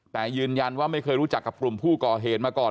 แต่ยืนยันว่าไม่เคยรู้จักกับกลุ่มผู้ก่อเหตุมาก่อน